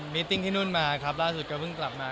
ิตติ้งที่นู่นมาครับล่าสุดก็เพิ่งกลับมา